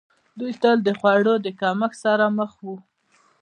دوی تل د خوړو د کمښت سره مخ وو.